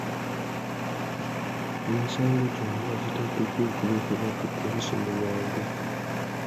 Emisango gyonna giteekeddwa okuloopebwa ku poliisi mu bwangu.